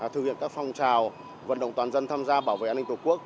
thực hiện các phong trào vận động toàn dân tham gia bảo vệ an ninh tổ quốc